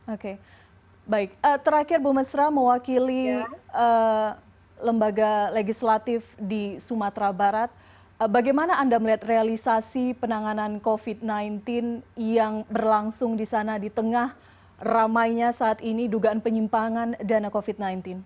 oke baik terakhir bu mesra mewakili lembaga legislatif di sumatera barat bagaimana anda melihat realisasi penanganan covid sembilan belas yang berlangsung di sana di tengah ramainya saat ini dugaan penyimpangan dana covid sembilan belas